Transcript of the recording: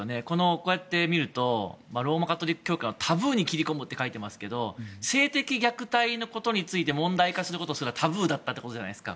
こうやってみるとローマ・カトリック教会のタブーに切り込むと書かれていますが性的虐待のことについて問題化することすらタブーってことだったじゃないですか。